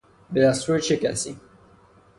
به دستور چه کسی؟